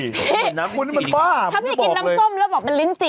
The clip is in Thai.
เหมือนน้ำลิ้นจี่คุณนี่มันบ้าถ้าพี่กินน้ำส้มแล้วบอกมันลิ้นจี่นะ